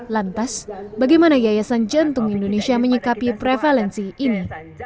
lantas bagaimana yayasan jantung indonesia menyikapi prevalensi ini